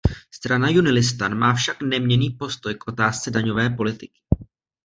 Strana Junilistan má však neměnný postoj k otázce daňové politiky.